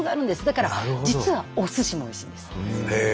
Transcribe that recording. だから実はおすしもおいしいんです。